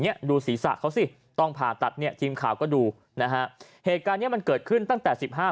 ดูศีรษะเขาสิต้องผ่าตัดเนี่ยทีมข่าวก็ดูนะฮะเหตุการณ์เนี้ยมันเกิดขึ้นตั้งแต่สิบห้า